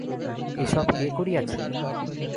এ সব কে করিয়াছে?